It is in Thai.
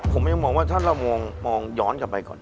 ผมยังมองว่าถ้าเรามองย้อนกลับไปก่อน